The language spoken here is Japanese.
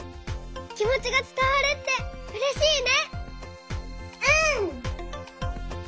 きもちがつたわるってうれしいね！